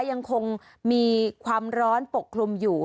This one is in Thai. ยังคงมีความร้อนปกคลุมอยู่